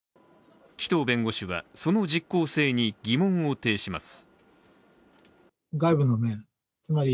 紀藤弁護士は、その実効性に疑問を呈します。